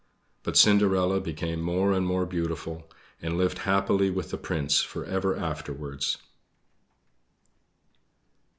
But Cinderella became more and more beautiful, and lived happily with the Prince for ever afterwards.